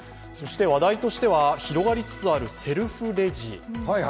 そして話題としては、広がりつつあるセルフレジ。